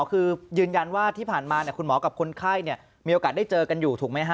คือยืนยันว่าที่ผ่านมาคุณหมอกับคนไข้มีโอกาสได้เจอกันอยู่ถูกไหมฮะ